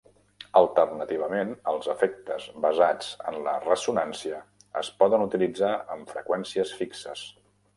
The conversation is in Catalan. Alternativament, els efectes basats en la ressonància es poden utilitzar amb freqüències fixes.